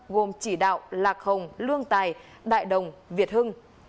gồm chỉ đạo lạc hồng lương tài đại đồng việt hưng